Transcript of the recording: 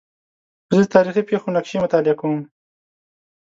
زه د تاریخي پېښو نقشې مطالعه کوم.